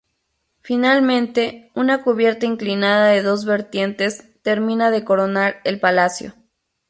Finalmente, una cubierta inclinada de dos vertientes termina de coronar el palacio.